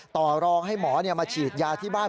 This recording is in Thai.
ต่อรองให้หมอมาฉีดยาที่บ้าน